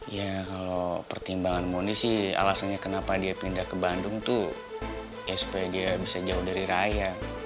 ya kalau pertimbangan moni sih alasannya kenapa dia pindah ke bandung tuh ya supaya dia bisa jauh dari raya